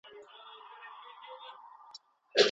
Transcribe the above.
ښه انسان تل هيله پيدا کوي